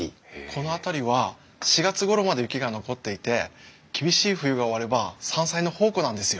この辺りは４月ごろまで雪が残っていて厳しい冬が終われば山菜の宝庫なんですよ。